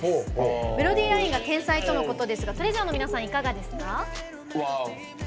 メロディーラインが天才とのことですがＴＲＥＡＳＵＲＥの皆さんいかがですか？